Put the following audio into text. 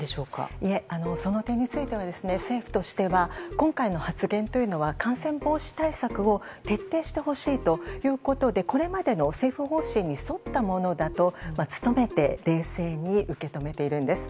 いえ、その点については政府としては今回の発言というのは感染防止対策を徹底してほしいということでこれまでの政府方針に沿ったものだと努めて冷静に受け止めているんです。